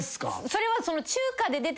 それは。